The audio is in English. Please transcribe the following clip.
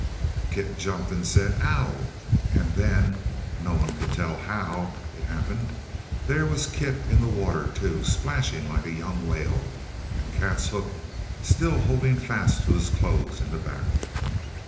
Kit jumped and said, "Ow!" And then no one could tell how it happened there was Kit in the water, too, splashing like a young whale, with Kat's hook still holding fast to his clothes in the back!